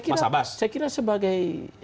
mas abbas saya kira sebagai